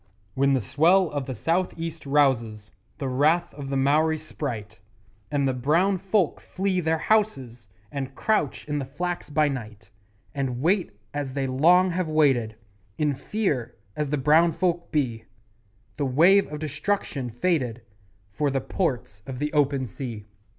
When the swell of the South east rouses The wrath of the Maori sprite, And the brown folk flee their houses And crouch in the flax by night, And wait as they long have waited In fear as the brown folk be The wave of destruction fated For the Ports of the Open Sea.